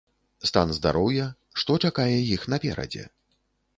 Стан здароўя, што чакае іх наперадзе?